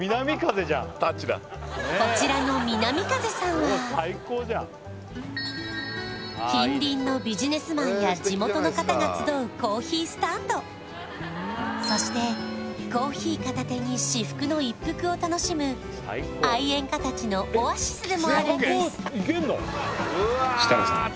こちらのみなみ風さんは近隣のビジネスマンや地元の方が集うコーヒースタンドそしてコーヒー片手に至福の一服を楽しむ愛煙家たちのオアシスでもあるんです設楽さん